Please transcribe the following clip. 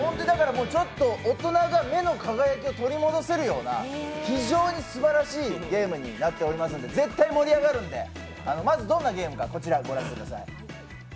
大人が目の輝きを取り戻せるような非常にすばらしいゲームになっておりますので、絶対盛り上がるんで、まずどんなゲームか、こちらをご覧ください。